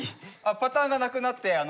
パターンがなくなってあの顔が。